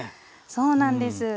そうなんです。